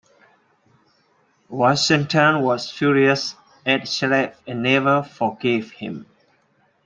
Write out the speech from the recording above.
Washington was furious at Shreve and never forgave him.